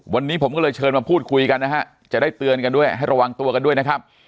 วันนี้ผมก็เลยเชิญมาพูดคุยกันนะฮะจะได้เตือนกันด้วยให้ระวังตัวกันด้วยนะครับ